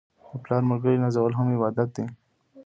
د پلار ملګري نازول هم عبادت دی.